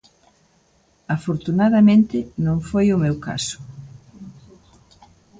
Afortunadamente non foi o meu caso.